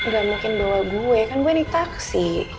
gak mungkin bawa gue kan gue ini taksi